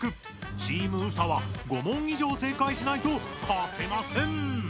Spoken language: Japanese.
チームＳＡは５問いじょう正解しないと勝てません！